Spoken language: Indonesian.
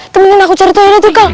temenin aku cari toyo ya kan tuh kal